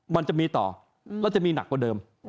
มันจะมีต่อแล้วจะมีหนักกว่าเดิม